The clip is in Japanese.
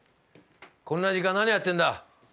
こんな時間何やってんだ？